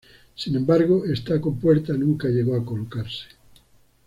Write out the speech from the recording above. Sin embargo esta compuerta nunca llegó a colocarse.